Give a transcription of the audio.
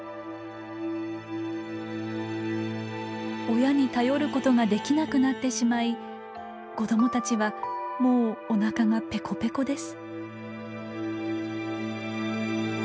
親に頼ることができなくなってしまい子どもたちはもうおなかがペコペコです。